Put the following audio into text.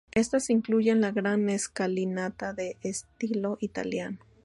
Estas incluyen la gran escalinata de estilo italiano.